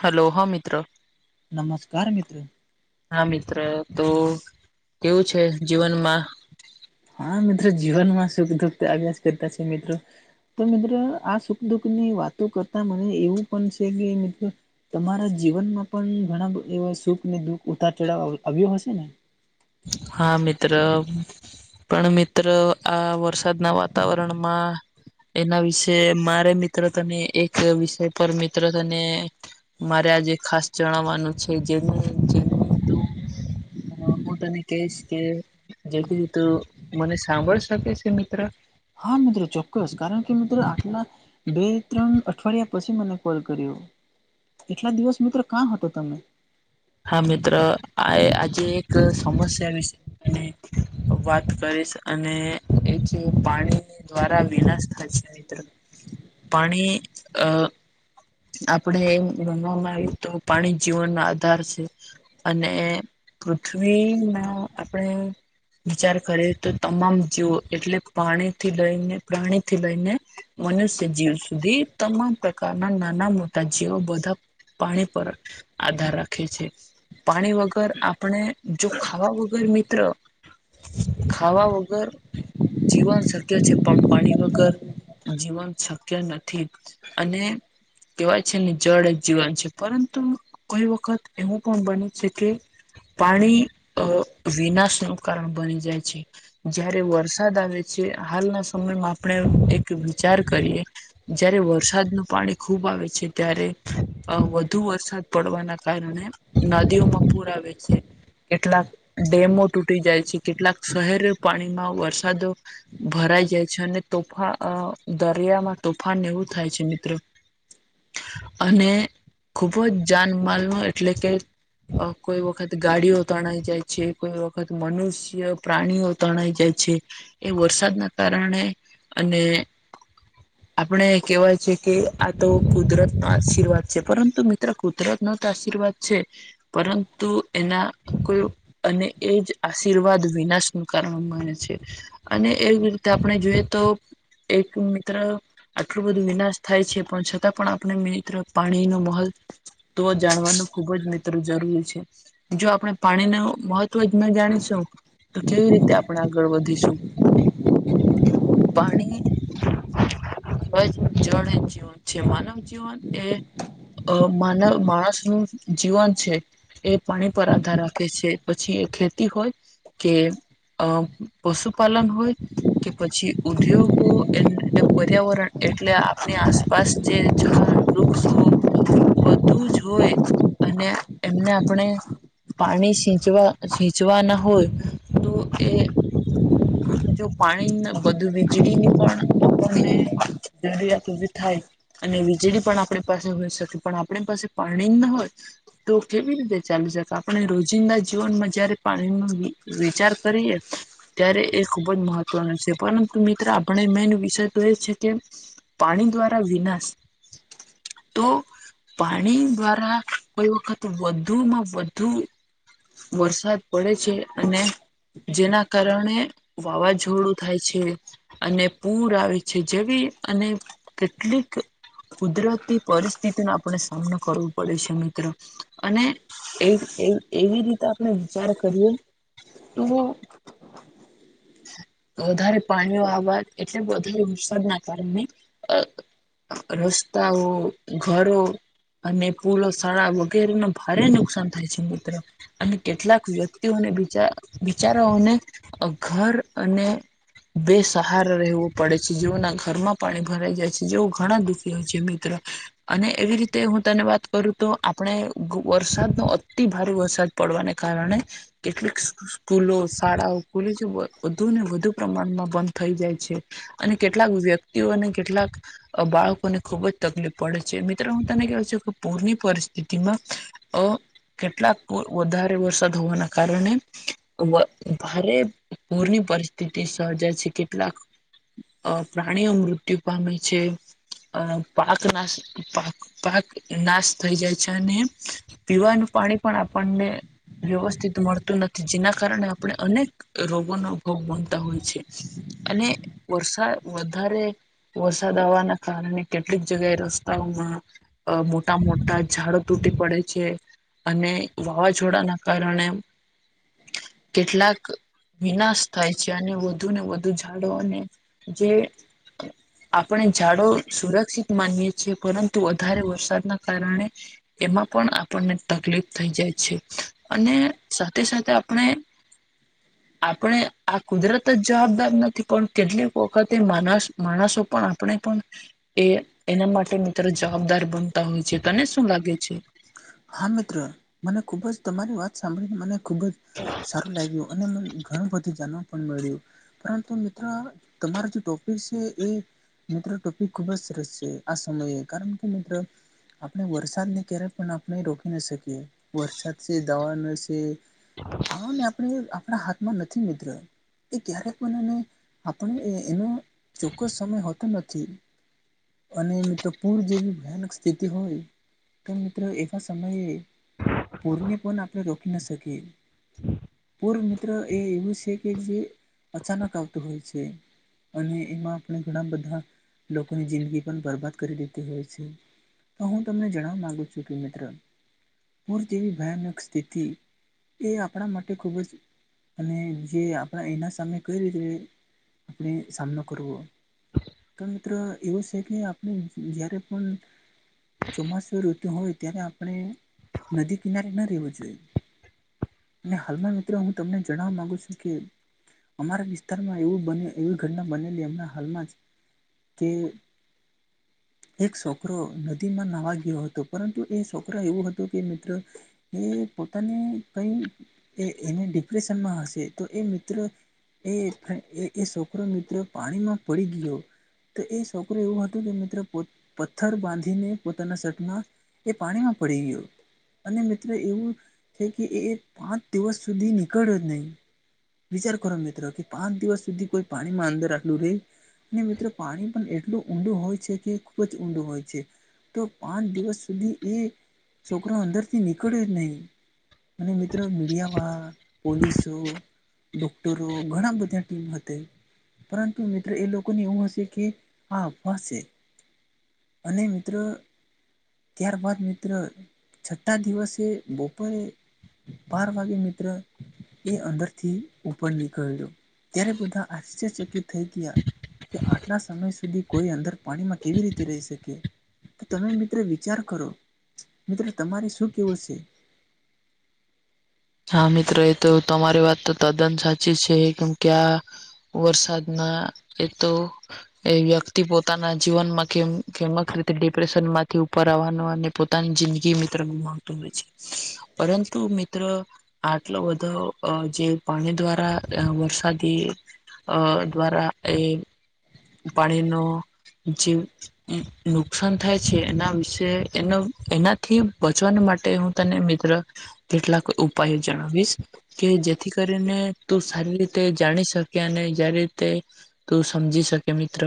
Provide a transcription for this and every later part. Hello, હા મિત્ર નમસ્કાર મિત્રો હા મિત્ર તો.. કેવું છે જીવનમાં?. હા, મિત્રો જીવનમાં સુખ દુઃખ તો આવ્યા જ કરતા છે મિત્રો. તો મિત્રો આ સુખ દુઃખ ની વાતો કરતા મને એવું પણ છે કે મિત્રો.. તમારા જીવનમાં પણ ઘણાધા એવા સુખ ને દુઃખ ઉતાર ચઢાવ આવ્યો હશે ને. ! હા મિત્ર. પણ મિત્ર આ વરસાદના વાતાવરણમાં.. એના વિશે મારે મિત્ર તને ની એક વિષય પર મિત્ર તને. મારે આજે ખાસ જણાવવાનું છે જેનું.. તું અ હું તને કહીશ કે. જેથી તો. મને સાંભળ શકે છે મિત્ર. હા મિત્રો ચોક્કસ કારણ કે મિત્રો આટલા.. બે, ત્રણ અઠવાડિયા પછી મને કોલ કર્યો. એટલા દિવસ મિત્રો ક્યાં હતો તમે. હા, મિત્ર આ આજે એક સમસ્યા વિશે અને.. વાત કરીશ અને એક.. કે પાણી દ્વારા વિનાશ થાય છે મિત્ર. પાણી અ.. આપણે એમ ગણવામાં આવીયું તો પાણી જીવનનો આધાર છે અને.. પૃથ્વીમાં આપણે વિચાર કરીએ તો તમામ.. જીવ એટલે પાણીથી લઈને, પ્રાણી થી લઈને, મનુષ્ય જીવ સુધી. તમામંતકા નંદ. નાના-મોટા જીવ બધા પાણી પર આધાર રાખે છે. પાણી વગર આપણે જો ખાવા વગર મિત્ર જીવન શક્ય છે. પણ પાણી વગર જીવન શક્ય નથી અને કહેવાય છે ને, જળ જ જીવન છે, પરંતુ કોઈ વખત એવું પણ બને છે કે. પાણી અ વિનાશ નું કારણ બની જાય છે. જયારે વરસાદ આવે છે, હાલના સમયમાં આપણે એક વિચાર કરીએ. જયારે વરસાદ નું પાણી. ખૂબ આવે છે, ત્યારે વધુ વરસાદ પડવાના કારણે નદીઓ માં પૂર આવે છે. કેટલાક ડેમો તૂટી જાય છે, કેટલાક શહેર પાણીમાં વરસાદો ભરાઈ જાય છે, અને તોફાન દરિયામાં તોફાન એવું થાય છે, મિત્રો. અને ખુબ જ જાનમાલ ન એટલે કે કોઈ વખત ગાડીઓ તણાઈ જાય છે, કોઈ વખત મનુષ્ય, પ્રાણીઓ તણાઈ જાય છે, એ વરસાદના કારણે અને આપણે કહેવાય કે આ તો કુદરત નો આશીર્વાદ છે, પરંતુ મિત્ર કુદરત નો તો આશીર્વાદ છે. પરંતુ એના કોઈ અને એજ આશીર્વાદ વિનાશ નું કારણ મળને છે. અને એવી રીતે આપણે જોઈએ તો, એક મિત્ર આટલું બધું વિનાશ થાય છે, પણ છતાં પણ આપણે મિત્ર પાણીનો મોલ તો જાણવાનું ખુબ જ મિત્ર જરૂરી છે. જો આપણે પાણી ન મહત્વ જ ન જાણીશું. તો કેવી રીતે આપણે આગળ વધીશું પાણી. જળ જીવન છે, માનવ જીવન એ અ માનવ માણસ નું જીવન છે. એ પાણી પર આધાર રાખે એ ખેતી હોય. કે અ પશુપાલન હોય. કે પછી ઉદ્યોગો, પર્યાવરણ એટલે આપણી પાચા વૃક્ષો બધું જ હોય. અને એમને આપણે પાણી સચવા સેચવા ના હોય તો એ જો પાણી બધું વીજળી ની પણ આપણને જરૂરિયાત થાય, અને વીજળી પણ આપણી પાસે હોય શકે, પણ આપણી પાસે પાણી ના હોય. તો કેવી રીતે ચાલુ? આપણે રોજિંદા જીવનમાં જયારે પાણીનો વિચાર કરીએ. ત્યારે એ ખૂબ જ મહત્વનું છે, પરંતુ મિત્ર આપણે મેનો વિષય તો એ છે કે પાણી દ્વારા વિનાશ તો પાણી દ્વારા કોઈ વખત વધુમાં વધુ વરસાદ પડે છે, અને જેના કારણે વાવાઝોડું થાય છે. અને પૂર આવે છે, જેવી અને કેટલીક કુદરતી પરિસ્થિતિનો આપણે સામનો કરવો પડે છે મિત્રો, અને એ એવી રીતે આપણે વિચાર કરીએ તો. વધારે પાણીઓ આવા એટલે વધારે [inaudible] કારણે. રસ્તાઓ ઘરો. અને પુલો શાળા વગેરે ન ભારે નુકસાન થાય છે મિત્રો. અને કેટલાક વ્યક્તિઓને [inaudible] બિચારાઓને ઘર અને. બેસહાર રહેવો પડે છે, જેઓના ઘરમાં પાણી ભરાઈ જાય છે, જેવો ઘણા દુખી હોય છે મિત્ર અને એવી રીતે હું તને વાત કરું તો આપણે વરસાદનો અતિ ભારે વરસાદ. પડવાને કારણે કેટલીક સ્કુલો, શાળાઓ [inaudible] વધુ ને વધુ પ્રમાણમાં બંધ થઈ જાય છે. અને કેટલાક વ્યક્તિઓ અને કેટલાક બાળકોને ખુબ જ તકલીફ પડે છે મિત્રો હું તને કેવું છું કે પૂરની પરિસ્થિત [inaudible] સ્થિતિમાં અ કેટલાક વધારે વરસાદ હોવાના કારણે ભારે પૂરની પરિસ્થિતિ સર્જાય છે, કેટલાક અ પ્રાણીઓ મુત્યુ પામે છે. પાક નાશ પાક, પાક નાશ થઈ જાય છે અને પીવાનું પાણી પણ આપણને વ્યવસ્થિત મળતું નથી જેના કારણે આપણે અનેક રોગોનો ભોગ બનતા હોય અને વરસાદ વધારે વરસાદ આવવાના કારણે કેટલીક જગ્યાએ રસ્તાઓમાં મોટા મોટા ઝાડો તૂટી પડે છે‌. અને વાવાઝોડાના કારણે કેટલાક. વિનાશ થાય છે અને વધુ ને વધુ ઝાડો અને જે આપણે ઝાડો સુરક્ષિત માનીએ છીએ પરંતુ વધારે વરસાદના કારણે એમાં પણ આપણને તકલીફ થઈ જાય છે અને સાથે સાથે આપણે આપણે આ જ જવાબદાર નથી પણ કેટલીક વખતે માણસો પણ આપણે પણ એ એના માટે મિત્રો જવાબદાર બનતા હોય છે તને શું લાગે છે. હા મિત્ર મને ખુબ જ તમારી વાત સાંભળીને મને ખુબ જ સારું લાગ્યું. અને ઘણું બધું જાણવા પણ મળ્યું. પરંતુ મિત્રો તમારા જે ટોપિક છે એ, મિત્રો ટોપિક ખૂબ જ સરસ છે આ સમયે કારણ કે મિત્ર આપણે વરસાદને ક્યારેય પણ આપણે રોકી ના શકીએ વરસાદ છે, દવાનું છે, ને આપણે આપણા હાથમાં નથી મિત્ર. એ ક્યારેક મનેને આપણે એનો ચોક્કસ સમય હોતો નથી. અને મિત્રો પૂર જેવી ભયાનક સ્થિતિ હોય તો મિત્રો. એવા સમયે પુરને પણ આપણે રોકી ના શકિયે. પૂર મિત્ર એ એવું છે કે જે અચાનક આવતું હોય છે. અને એમાં આપણે ઘણા બધા લોકોની જિંદગી પણ બરબાદ કરી દીધી હોય છે. તો હું તમને જણવા માગુ છું કે, પુર જેવી ભયાનક સ્થિતિ એ આપણા માટે ખૂબ જ અને જે આપણા એના સામે કઈ રીતે આપણે સામનો કરવો. તો મિત્ર એવું છે કે આપણે જયારે પણ ચોમાસું ઋતુ હોય ત્યારે આપણે નદી કિનારે ન રહેેવું જોઈએ.. અને હાલમાં મિત્રો હું તમને જણાવવા માંગુ છું કે અમારા વિસ્તારમાં એવું બ એવી ઘટના બનેલી હમણાં હાલમાં જ કે એક છોકરો નદીમાં નાવા ગયો હતો પરંતુ. એ છોકરા એવું હતો કે મિત્ર એ પોતાને કંઈ એ એને ડિપ્રેશનમાં હશે તો એ મિત્ર એ એ છોકરો મિત્ર પાણીમાં પડી ગયો, તો એ છોકરો એવું હતું કે મિત્ર પથ્થર બાંધીને પોતાના સપના એ પાણીમાં પડી ગયુ અને મિત્ર એવું છે કે એ પાંચ દિવસ સુધી નીકળ્યો જ નહીં, વિચાર કરો મિત્ર કે પાંચ દિવસ સુધી કોઈ પાણીમાં અંદર આટલું રહે. ને મિત્રો પાણી પણ એટલું ઊંડું હોય છે કે ખુબ જ ઊંડું હોય છે. તો પાંચ દિવસ સુધી એ છોકરાઓ અંદરથી નીકળ્યો નહી અને મિત્રો મીડિયામાં પોલીસો ડોક્ટરો ઘણા બધા ટીમ હતી તે પરંતુ મિત્ર એ લોકોને એવું હશે કે આ અફવા છે. અને મિત્ર ત્યારબાદ મિત્ર છઠ્ઠા દિવસે બપોરે બાર વાગે મિત્ર એ અંદર થી ઉપર નીકળ્યો ત્યારે બધા આશ્ચર્ય ચકિત થઈ ગયા કે આટલા સમય સુધી કોઈ અંદર પાણીમાં કેવી રીતે રહી શકે તો તમે મિત્રો વિચાર કરો મિત્રો તમારે શું કેવું છે. હા મિત્ર એ તો તમારી વાત તો તદ્દન સાચી છે કેમ કે આ વરસાદ ના એ તો એ વ્યક્તિ પોતાના જ જીવનમાં કે કેમક રીતે ડિપ્રેશનમાંથી ઉપર આવવાનું અને પોતાની જિંદગી મિત્ર મહત્વનું હોય છે પરંતુ મિત્ર આટલો બધો અ જે પાણી દ્વારા વરસાદી અ દ્વારા એ પાણીનો જીવ એમ નુકસાન થાય છે એના વિશે એનો એના થી બચવા માટે હું તને મિત્ર કેટલાક ઉપાયો જણાવીશ કે જેથી કરીને તું સારી રીતે જાણી શકે અને જ્યારે તે તું સમજી શકે મિત્ર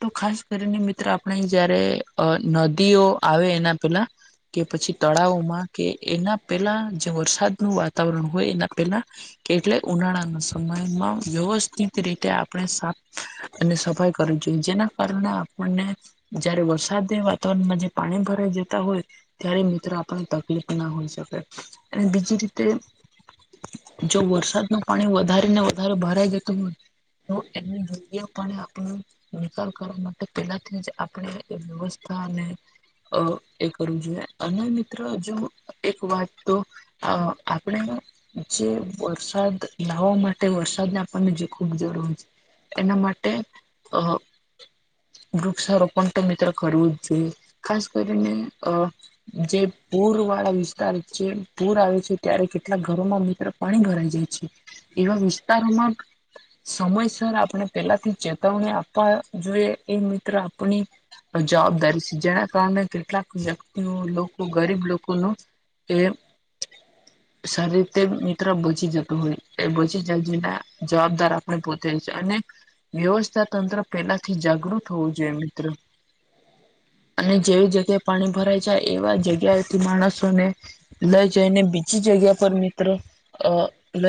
તો ખાસ કરીને મિત્ર આપણે જયારે અ નદીઓ આવે એના પેલા કે પછી તળાવોમાં કે એના પેલા જે વરસાદનું વાતાવરણ હોય એના પેલા કેટલે ઉનાળાના સમયમાં વ્યવસ્થિત રીતે આપણે સા અને સફાઈ કરવી જોઈએ જેના કારણે આપણને જયારે વરસાદની વાતાવરણમાં જે પાણી ભરાઈ જતા હોય ત્યારે મિત્રો આપણને તકલીફ ના હોઈ શકે અને બીજી રીતે જો વરસાદ નો પાણી વધારે ને વધારે ભરાઈ જતું હોય તો એની જગ્યાએ પણ આપણે નિકાલ કરવા માટે પેલાથી જ આપણે એ વ્યવસ્થા અને અ એ કરવું જોઈએ અને મિત્ર જો એક વાત તો અ આપણે એનો જે વરસાદ લાવવા માટે વરસાદ ને આપણને જે ખુબ જરૂર છે એના માટે અ વૃક્ષા રોપણ તો મિત્ર કરવું જ જોઈએ ખાસ કરીને અ જે પૂર વાળા વિસ્તાર જે પૂર આવે છે ત્યારે કેટલાક ઘરોમાં મિત્ર પાણી ભરાઈ જાય છે. એવા વિસ્તારોમાં સમયસર આપણે પેલાથી ચેતવણી આપવા જોઈએ એ મિત્ર આપણી જવાબદારી છે જેના કારણે કેટલાક વ્યક્તિઓ લોકો ગરીબ લોકોનું એ સારું થાય એમ મિત્ર બચી જતો હોય તો એ બચી જાય, જેના જવાબદાર આપણે પોતે છીએ. વ્યવસ્થા તંત્રે પહેલેથી જાગૃત હોવું જોઈએ, મિત્ર. અને જ્યાં પાણી ભરાઈ જાય એવી જગ્યાએથી માણસોને પહેલેથી જ સુરક્ષિત સ્થળે ખસેડવા જોઈએ. લઈ જઈને બીજી જગ્યાએ, મિત્રો.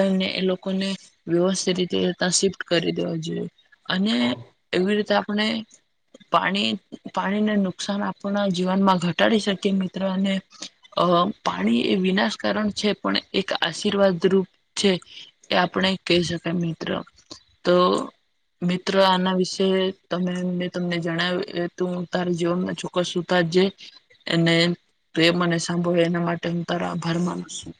અને એ લોકોને વ્યવસ્થિત રીતે ત્યાં લઈ જઈને રાખવા જોઈએ. અને એવી રીતે આપણે પાણી અને એવી રીતે આપણે પાણીથી થતા નુકસાનને આપણા જીવનમાં ઘટાડી શકીએ, મિત્ર. પાણી વિનાશનું કારણ પણ બની શકે છે, પરંતુ એ આપણા જીવન માટે આશીર્વાદરૂપ પણ છે. એ આપણે કહી શકીએ, મિત્ર. મિત્રો, આના વિશે મેં તમને જે જણાવ્યું, એ તમારા જીવનમાં... જે કોઈએ આ સાંભળ્યું, એનો હું તમારો આભાર માનું છું.